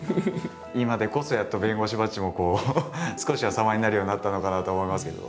今でこそやっと弁護士バッジもこう少しは様になるようになったのかなと思いますけど。